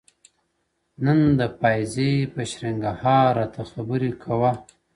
o نن د پايزېب په شرنگهار راته خبري کوه؛